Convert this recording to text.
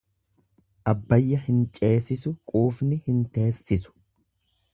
Abbayya hin ceesisu quufni hin teessisu.